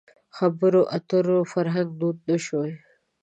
خبرو اترو فرهنګ دود نه شوی.